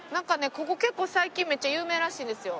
ここ結構最近めっちゃ有名らしいですよ。